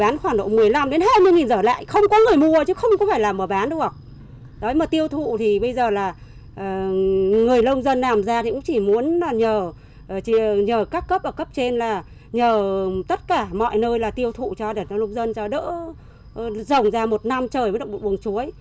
nhiều hộ dân làm ra thì cũng chỉ muốn nhờ các cấp ở cấp trên là nhờ tất cả mọi nơi là tiêu thụ cho để cho lúc dân cho đỡ rồng ra một năm trời mới được buồng chuối